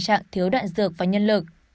chẳng thiếu đạn dược và nhân lực